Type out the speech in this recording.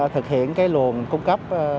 thực hiện cái luồng cung cấp